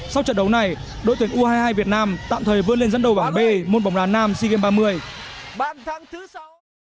sau trận đấu này đội tuyển u hai mươi hai việt nam tạm thời vươn lên dẫn đầu bảng b môn bóng đá nam sea games ba mươi